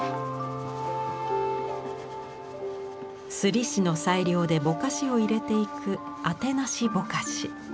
摺師の裁量でぼかしを入れていくあてなしぼかし。